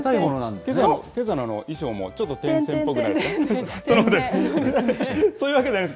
けさの衣装もちょっと点線っぽくないですか。